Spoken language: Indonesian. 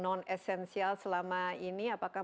non esensial selama ini apakah